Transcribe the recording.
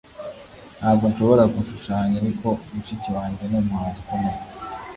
Ntabwo nshobora gushushanya ariko mushiki wanjye numuhanzi ukomeye